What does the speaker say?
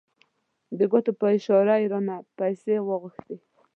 د ګوتو په اشاره یې رانه پیسې وغوښتې.